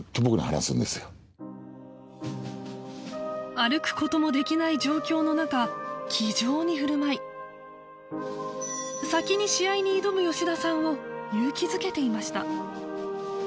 歩く事もできない状況の中気丈に振る舞い先に試合に挑む吉田さんを勇気づけていました